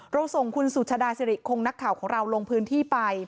เราส่งคุณสุชดาเสร็จโครงนักข่าวของเราลงพื้นที่ไป